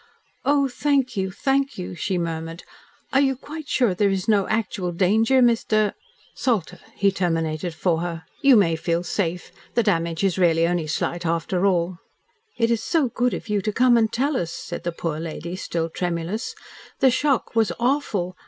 "Oh, thank you thank you," she murmured. "And you are quite sure there is no actual danger, Mr. ?" "Salter," he terminated for her. "You may feel safe. The damage is really only slight, after all." "It is so good of you to come and tell us," said the poor lady, still tremulous. "The shock was awful.